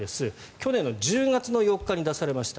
去年１０月４日に出されました。